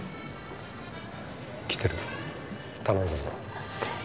来てる頼んだぞ。